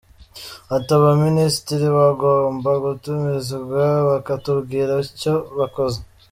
Ati “Abaminisitiri bagomba gutumizwa bakatubwira icyo bakoze”.